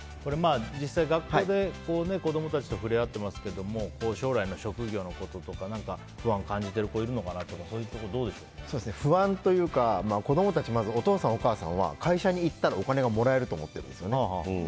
実際、学校で子供たちと触れ合ってますけども将来の職業のこととか不安を感じてる子がいるのかなとか不安というか子供たちはお父さん、お母さんは会社に行ったらお金がもらえると思ってるんです。